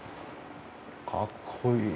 かっこいい。